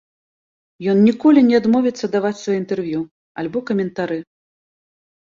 Ён ніколі не адмовіцца даваць свае інтэрв'ю альбо каментары.